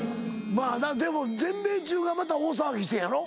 まぁなでも全米中がまた大騒ぎしてんやろ？